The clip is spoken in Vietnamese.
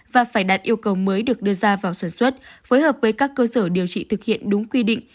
và phải đạt yêu cầu mới được đưa ra vào sản xuất phối hợp với các cơ sở điều trị thực hiện đúng quy định